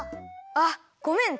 あっごめん！